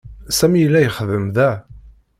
Sami yella ixeddem da.